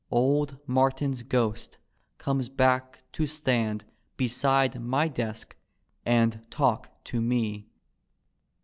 Old Martin's ghost comes back to stand Beside my desk and talk to me.